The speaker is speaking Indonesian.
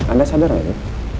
anda sadar gak ya